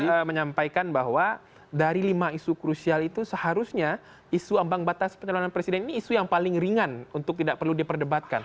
saya menyampaikan bahwa dari lima isu krusial itu seharusnya isu ambang batas pencalonan presiden ini isu yang paling ringan untuk tidak perlu diperdebatkan